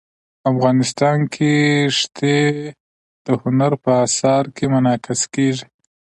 افغانستان کې ښتې د هنر په اثار کې منعکس کېږي.